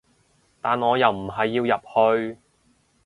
但我又唔係要入去